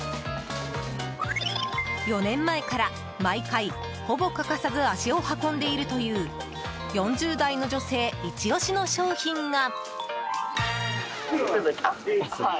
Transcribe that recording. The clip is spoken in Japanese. ４年前から毎回ほぼ欠かさず足を運んでいるという４０代の女性イチオシの商品が。